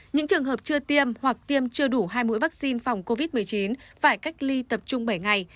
những trường hợp chưa tiêm hoặc tiêm chưa đủ hai mũi vaccine phòng covid một mươi chín phải cách ly tập trung bảy ngày